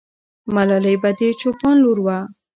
ملالۍ به د چوپان لور وه.